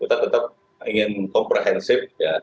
kita tetap ingin komprehensif